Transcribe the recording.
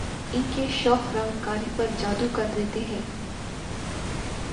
ان کے شوخ رنگ قاری پر جادو کر دیتے ہیں